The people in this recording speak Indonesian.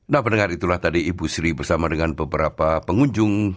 nah pendengar itulah tadi ibu sri bersama dengan beberapa pengunjung